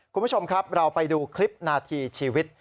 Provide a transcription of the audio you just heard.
คุณผู้ชมครับเราไปดูคลิปนาทีชีวิต